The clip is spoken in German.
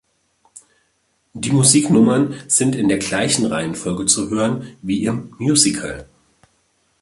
Die Musiknummern sind in der gleichen Reihenfolge zu hören wie im Musical.